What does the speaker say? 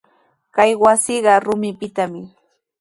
Kay wasiqa rumipitami.